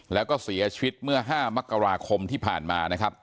แล้วก็เสียชีวิตเมื่อ๕มกราคมที่ผ่านมานะครับ